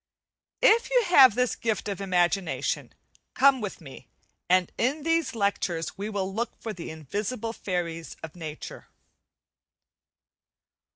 If you have this gift of imagination come with me, and in these lectures we will look for the invisible fairies of nature.